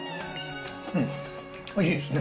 うん、おいしいですね。